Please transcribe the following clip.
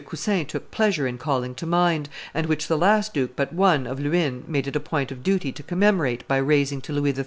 Cousin took pleasure in calling to mind, and which the last duke but one of Luynes made it a point of duty to commemorate by raising to Louis XIII.